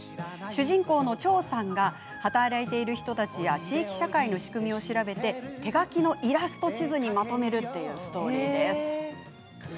主人公のチョ―さんが働いている人たちや地域社会の仕組みを調べて手描きのイラスト地図にまとめるというストーリー。